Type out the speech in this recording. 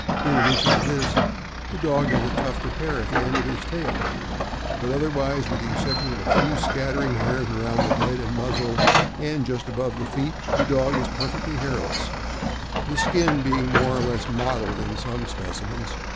In addition to this, the dog has a tuft of hair at the end of his tail, but otherwise, with the exception of a few scattering hairs around the head and muzzle and just above the feet, the dog is perfectly hairless, the skin being more or less mottled in some specimens.